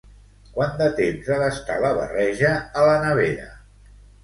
Quant de temps ha d'estar la barreja a la nevera?